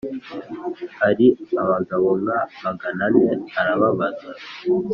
ari abagabo nka magana ane arababaza